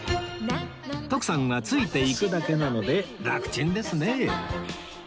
徳さんはついていくだけなのでラクチンですね！